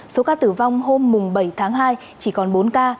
số ca tử vong hôm bảy tháng hai chỉ còn bốn ca